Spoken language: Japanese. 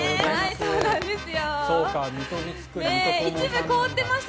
そうなんですよ